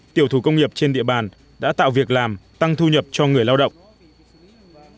tiểu thủ công nghiệp trên địa bàn đã tạo việc làm tăng thu nhập cho người lao động